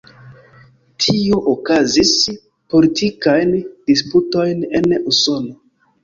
Tio kaŭzis politikajn disputojn en Usono.